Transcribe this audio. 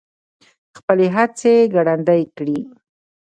خپلې هڅې ګړندۍ کړي.